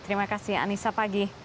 terima kasih anissa pagi